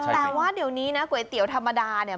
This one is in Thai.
แต่ว่าเดี๋ยวนี้นะก๋วยเตี๋ยวธรรมดาเนี่ย